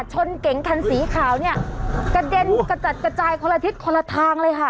รถเก๋งคันสีขาวเนี่ยกระเด็นกระจัดกระจายคนละทิศคนละทางเลยค่ะ